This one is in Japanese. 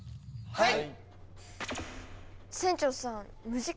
はい！